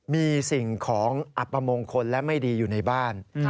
มีสิ่งของอัปมงคลและไม่ดีอยู่ในบ้าน